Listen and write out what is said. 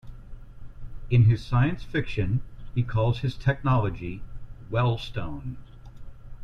In his science fiction, he calls this technology "Wellstone".